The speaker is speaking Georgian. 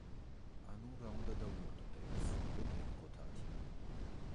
ანუ, რა უნდა დავუმატოთ ექვს, რომ მივიღოთ ათი?